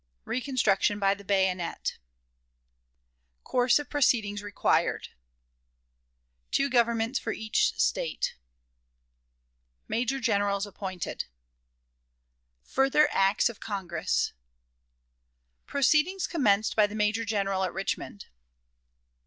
Reconstruction by the Bayonet. Course of Proceedings required. Two Governments for Each State. Major Generals appointed. Further Acts of Congress. Proceedings commenced by the Major General at Richmond.